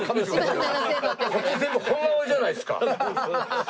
こっち全部本革じゃないですか。